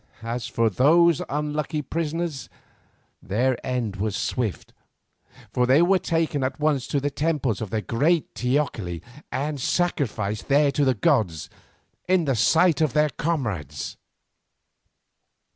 As for these unlucky prisoners, their end was swift, for they were taken at once to the temples of the great teocalli, and sacrificed there to the gods in the sight of their comrades.